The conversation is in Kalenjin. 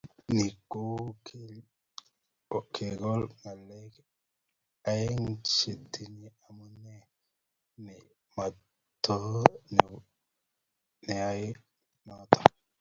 Ni ko uu kengol ngalek aeng chetinye amune nematoo nebo neyoe ngolyot